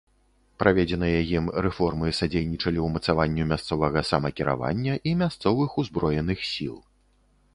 Праведзеныя ім рэформы садзейнічалі ўмацаванню мясцовага самакіравання і мясцовых узброеных сіл.